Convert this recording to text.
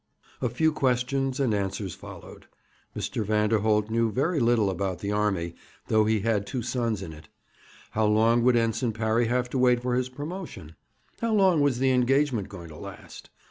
A few questions and answers followed. Mr. Vanderholt knew very little about the army, though he had two sons in it. How long would Ensign Parry have to wait for his promotion? How long was the engagement going to last?